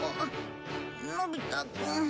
のび太くん。